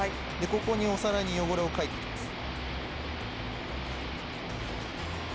ここにお皿に汚れを書いていきます